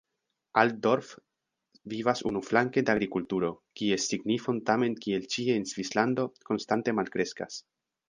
Altdorf vivas unuflanke de agrikulturo, kies signifon tamen kiel ĉie en Svislando konstante malkreskas.